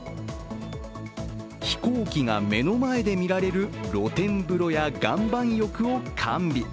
飛行機が目の前で見られる露天風呂や岩盤浴を完備。